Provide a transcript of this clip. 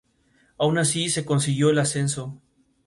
Aun así, se consiguió el ascenso.